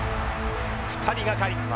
２人がかり。